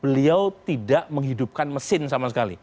beliau tidak menghidupkan mesin sama sekali